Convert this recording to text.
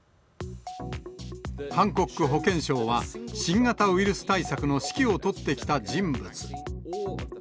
ハンコック保健相は、新型ウイルス対策の指揮を執ってきた人物。